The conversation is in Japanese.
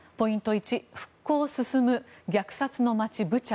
１復興進む虐殺の街ブチャ。